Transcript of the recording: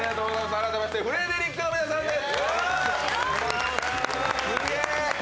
改めましてフレデリックの皆さんです。